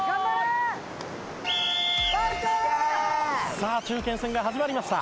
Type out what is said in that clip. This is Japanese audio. さあ中堅戦が始まりました。